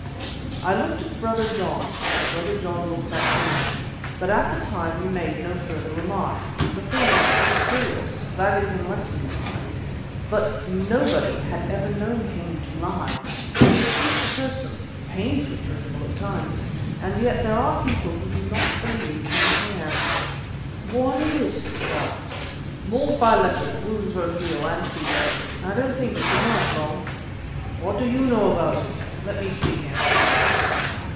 I looked at Brother John and Brother John looked at me, but at the time we made no further remark. The thing was too curious, that is, unless he lied. But nobody had ever known him to lie. He was a truthful person, painfully truthful at times. And yet there are people who do not believe in prayer. "What is it?" he asked. "Mauled by leopard. Wounds won't heal, and fever. I don't think he can last long." "What do you know about it? Let me see him."